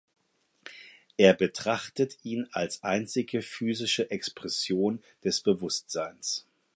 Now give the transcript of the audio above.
Er betrachtet ihn als einzige physische Expression des Bewusstseins.